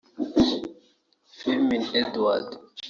Firmin Edouard